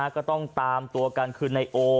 ก็ต้องตามตัวกันคือนายโอ